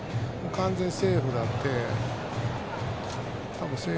完全にセーフなので。